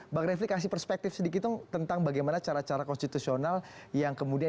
bang refli kasih perspektif sedikit dong tentang bagaimana cara cara konstitusional yang kemudian